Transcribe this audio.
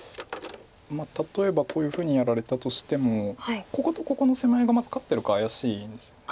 例えばこういうふうにやられたとしてもこことここの攻め合いがまず勝ってるか怪しいんですよね。